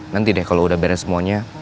nanti deh kalau udah beres semuanya